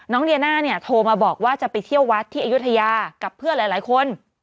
เดียน่าเนี่ยโทรมาบอกว่าจะไปเที่ยววัดที่อายุทยากับเพื่อนหลายคน